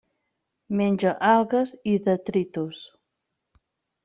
Menja algues i detritus.